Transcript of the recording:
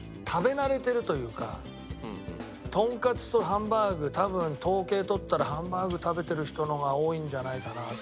とんかつとハンバーグ多分統計取ったらハンバーグ食べてる人の方が多いんじゃないかなと。